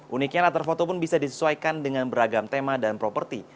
uniknya latar foto pun bisa disesuaikan dengan beragam tema dan properti